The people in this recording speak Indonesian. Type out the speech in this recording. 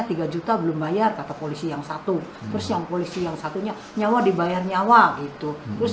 tiga juta belum bayar kata polisi yang satu terus yang polisi yang satunya nyawa dibayar nyawa gitu terus